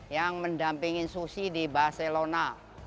yang mendampingi susi di barcelona